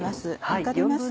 分かりますか？